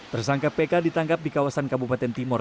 tersangka pk ditangkap di kawasan kabupaten timur